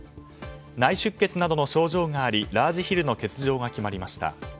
内出血などの症状がありラージヒルの欠場が決まりました。